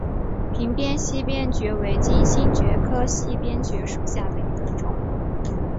屏边溪边蕨为金星蕨科溪边蕨属下的一个种。